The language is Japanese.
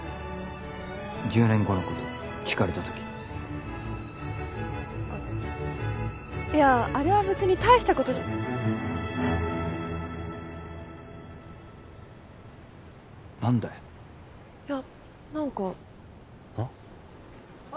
１０年後のこと聞かれた時あっいやあれは別に大したことじゃ何だよいや何かはあ？